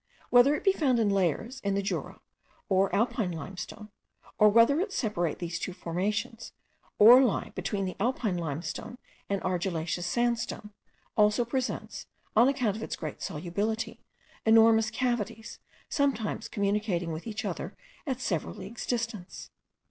whether it be found in layers in the Jura or Alpine limestone, or whether it separate these two formations, or lie between the Alpine limestone and argillaceous sandstone, also presents, on account of its great solubility, enormous cavities, sometimes communicating with each other at several leagues distance.